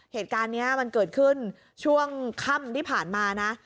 เหตุการณ์นี้มันเกิดขึ้นช่วงค่ำที่ผ่านมานะ